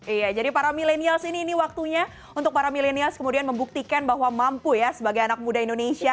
iya jadi para milenials ini ini waktunya untuk para milenials kemudian membuktikan bahwa mampu ya sebagai anak muda indonesia